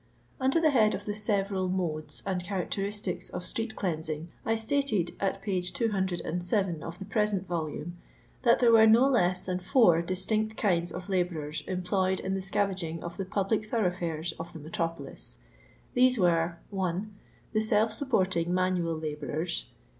UkdbIl the head of the several modes and cha racteristics of street^leansing, I stated at p. 207 of the present Tolwne that there were no less than four distinct kinds of labourers employed in the scavaging of the public thoroughfares of the metropolis. These were :— 1. The self supporting manual labourers.